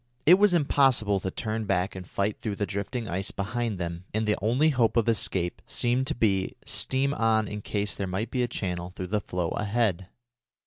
It was impossible to turn back and fight through the drifting ice behind them, and the only hope of escape seemed to be to steam on in case there might be a channel through the floe ahead.